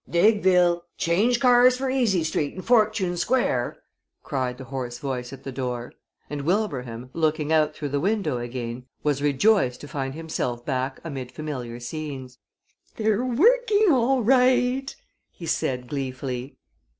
"Diggville! Change cars for Easy Street and Fortune Square!" cried the hoarse voice at the door, and Wilbraham, looking out through the window again, was rejoiced to find himself back amid familiar scenes. "They're working all right," he said, gleefully.